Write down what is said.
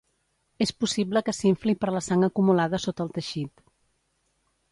És possible que s'infli per la sang acumulada sota del teixit.